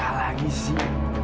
apa lagi sih